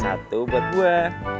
satu buat gue